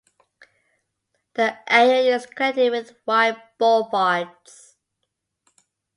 The area is connected with wide boulevards.